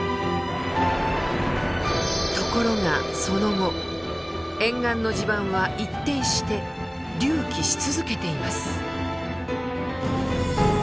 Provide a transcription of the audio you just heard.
ところがその後沿岸の地盤は一転して隆起し続けています。